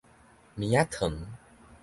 棉仔糖